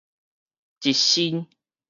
一身